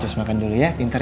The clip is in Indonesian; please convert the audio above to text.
cus makan dulu ya pinter ya